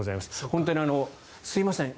本当にすみません